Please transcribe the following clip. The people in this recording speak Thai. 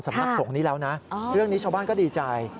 สำนักสงฆ์นี้แล้วนะเรื่องนี้ชาวบ้านก็ดีใจ